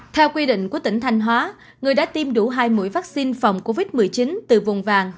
theo quy định của tỉnh thanh hóa người đã tiêm đủ hai mũi vaccine phòng covid một mươi chín từ vùng vàng